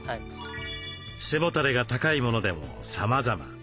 背もたれが高いものでもさまざま。